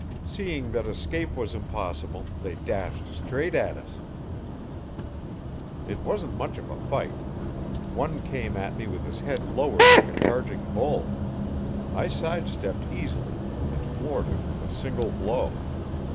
Seeing that escape was impossible, they dashed straight at us. It wasn't much of a fight. One came at me with his head lowered like a charging bull; I sidestepped easily and floored him with a single blow.